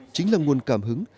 chính là nguồn cảm hứng